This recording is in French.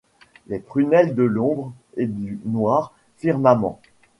Les prunelles de l'ombre et du noir firmament